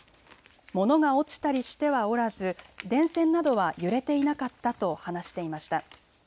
物が落ちたりしてはおらず電線などは揺れていなかったと話していました。